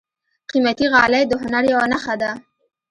قیمتي غالۍ د هنر یوه نښه ده.